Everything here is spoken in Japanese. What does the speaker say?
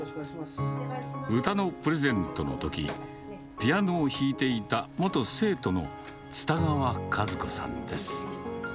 歌のプレゼントのとき、ピアノを弾いていた元生徒の蔦川和子さんです。